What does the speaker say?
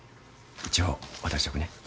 一応渡しとくね。